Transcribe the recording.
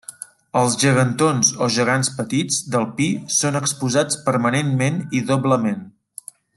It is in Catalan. Els gegantons o gegants petits del Pi són exposats permanentment i doblement.